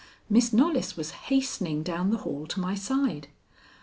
Miss Knollys was hastening down the hall to my side.